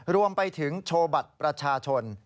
รวมไปถึงโชว์บัตรประชาชน